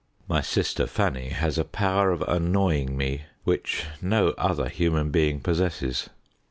My sister Fanny has a power of annoying me which no other human being possesses.